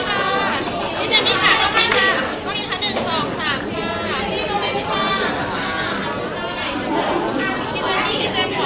ตรงนี้ค่ะตรงนี้ค่ะตรงนี้ค่ะตรงนี้ค่ะตรงนี้ค่ะตรงนี้ค่ะตรงนี้ค่ะ